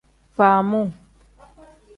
Faamuu.